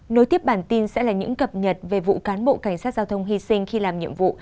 nối tiếp bản tin sẽ là những cập nhật về vụ cán bộ cảnh sát giao thông hy sinh khi làm nhiệm vụ